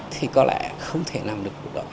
thì có lẽ không thể làm được được đó